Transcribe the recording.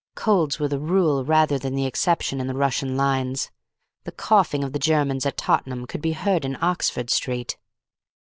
Colds were the rule rather than the exception in the Russian lines. The coughing of the Germans at Tottenham could be heard in Oxford Street.